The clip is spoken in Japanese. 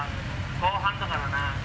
後半だからな。